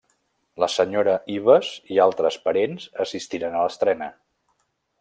La senyora Ives i altres parents assistiren a l'estrena.